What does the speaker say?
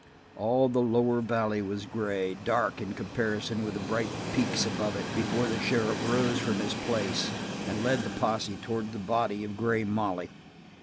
All the lower valley was gray, dark in comparison with the bright peaks above it, before the sheriff rose from his place and led the posse towards the body of Grey Molly.